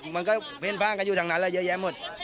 มันก็เพ่นพ่างกันอยู่ทางนั้นแล้วเยอะแยะหมด